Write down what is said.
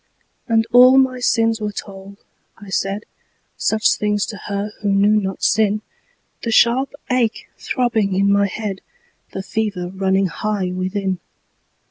And all my sins were told; I said Such things to her who knew not sin The sharp ache throbbing in my head, The fever running high within.